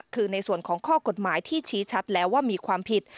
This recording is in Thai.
คือในส่วนของข้อกฎหมายที่ชี้ชัดแล้วว่ามีความผิด